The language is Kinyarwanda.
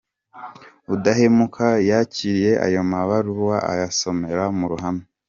Udahemuka yakiriye ayo mabaruwa ayasomera mu ruhame.